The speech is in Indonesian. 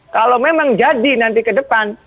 kalau memang jadi nanti ke depan